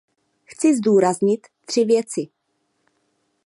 Chci zdůraznit tři věci.